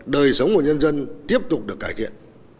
đời sống của nhân dân tiếp tục được cải thiện